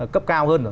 cấp cao hơn rồi